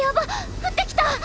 降ってきた！